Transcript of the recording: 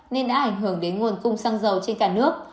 nên đã ảnh hưởng đến nguồn cung xăng dầu trên cả nước